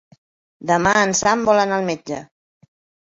Demà en Sam vol anar al metge.